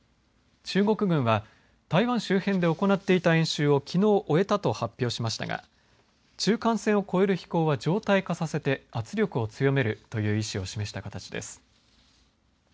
中国軍は台湾周辺で行っていた演習をきのう終えたと発表しましたが中間線を越える飛行は常態化させて圧力を強めるという意思を示した形です。